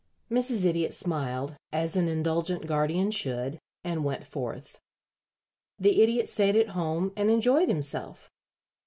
Mrs. Idiot smiled, as an indulgent guardian should, and went forth. The Idiot stayed at home and enjoyed himself.